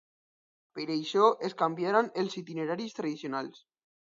Per això, es canviaran els itineraris tradicionals.